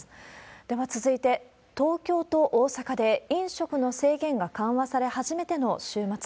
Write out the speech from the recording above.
では続いて、東京と大阪で飲食の制限が緩和され、初めての週末。